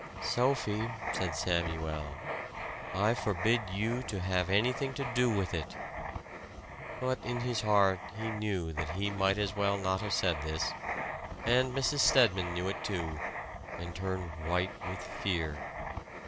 "Sophie," said Samuel, "I forbid you to have anything to do with it!" But in his heart he knew that he might as well not have said this. And Mrs. Stedman knew it, too, and turned white with fear.